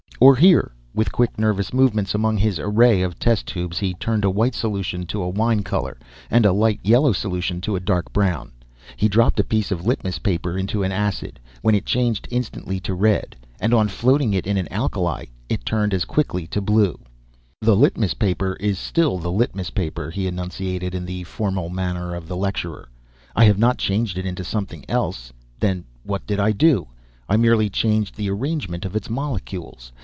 "Or here!" With quick, nervous movements among his array of test tubes, he turned a white solution to a wine color, and a light yellow solution to a dark brown. He dropped a piece of litmus paper into an acid, when it changed instantly to red, and on floating it in an alkali it turned as quickly to blue. "The litmus paper is still the litmus paper," he enunciated in the formal manner of the lecturer. "I have not changed it into something else. Then what did I do? I merely changed the arrangement of its molecules.